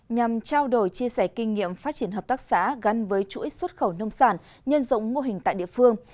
nhằm trao đổi chia sẻ kinh nghiệm phát triển hợp tác xã gắn với chuỗi xuất khẩu nông sản nhân rộng mô hình tại địa phương